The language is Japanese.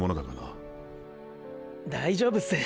大丈夫す。